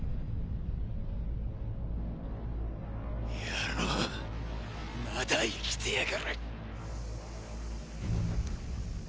ヤロウまだ生きてやがる。